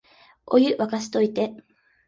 お湯、沸かしといて